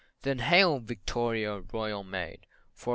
Then hail, Victoria, Royal Maid, &c.